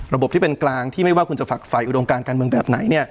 ระบบที่เป็นกลางที่ไม่ว่าคุณจะฝักฝ่ายอุดมการการเมืองแบบไหน